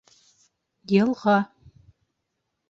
Йылға